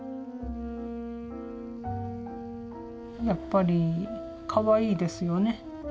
やっぱりかわいいですよね